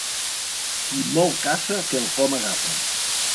Qui molt caça quelcom agafa.